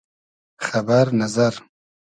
خئبئر نئزئر